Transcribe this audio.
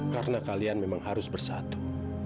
karena kalian memang harus bersatu